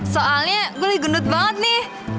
soalnya gue lagi gendut banget nih